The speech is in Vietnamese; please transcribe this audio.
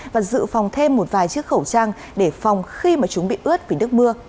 và dự phòng thêm một vài chiếc khẩu trang để phòng khi mà chúng bị ướt vì nước mưa